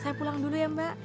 saya pulang dulu ya mbak